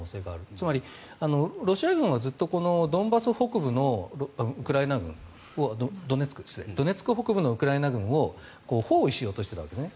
つまり、ロシア軍はずっとドンバス北部のドネツク北部のウクライナ軍を包囲しようとしていたわけです。